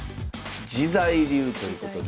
「自在流」ということで。